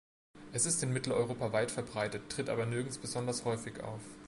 Es ist in Mitteleuropa weit verbreitet, tritt aber nirgends besonders häufig auf.